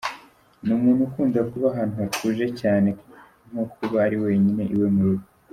Ni umuntu ukunda kuba ahantu hatuje cyane nko kuba ari wenyine iwe mu rugo.